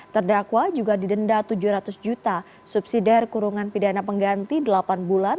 terdakwa juga didenda tujuh ratus juta subsidi kurungan pidana pengganti delapan bulan